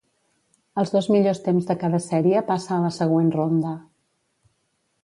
Els dos millors temps de cada sèrie passa a la següent ronda.